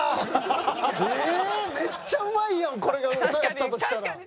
めっちゃうまいやんこれが嘘やったとしたら。